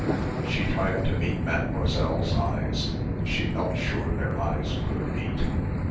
She tried to meet Mademoiselle's eyes, she felt sure their eyes could meet.